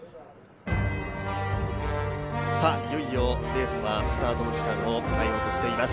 いよいよレースはスタートの時間を迎えようとしています。